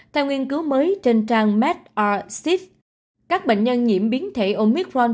theo nghiên cứu mới trên trang medr civ các bệnh nhân nhiễm biến thể omicron